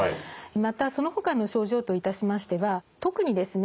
またそのほかの症状といたしましては特にですね